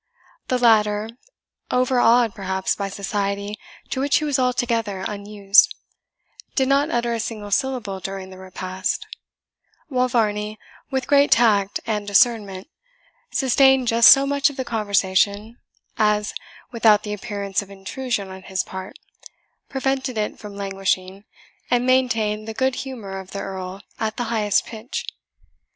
The latter, overawed perhaps by society to which he was altogether unused, did not utter a single syllable during the repast; while Varney, with great tact and discernment, sustained just so much of the conversation as, without the appearance of intrusion on his part, prevented it from languishing, and maintained the good humour of the Earl at the highest pitch.